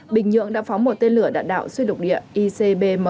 bình nhưỡng đã phóng một tên lửa đạn đạo xuyên lục địa icbm